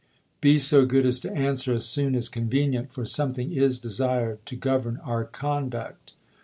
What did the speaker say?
Pickens to SO good as to answer as soon as convenient, for ,u|i,tionCT something [is] desired to govern our conduct."